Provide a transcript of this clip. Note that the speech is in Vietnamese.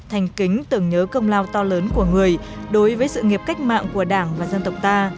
thành kính tưởng nhớ công lao to lớn của người đối với sự nghiệp cách mạng của đảng và dân tộc ta